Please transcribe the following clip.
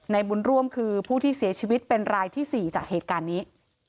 บุญร่วมคือผู้ที่เสียชีวิตเป็นรายที่๔จากเหตุการณ์นี้